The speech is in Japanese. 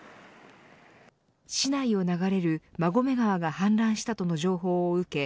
市内を流れる馬込川が氾濫したとの情報を受け